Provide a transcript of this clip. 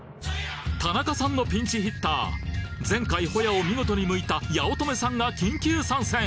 田中さんのピンチヒッター前回ホヤを見事にむいた八乙女さんが緊急参戦！